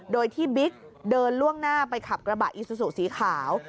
โดยที่บิ๊กเดินล่วงหน้าไปขับกระบะอีซูซูสีขาว